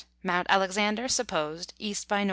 Mount Alexander (supposed), E. by N.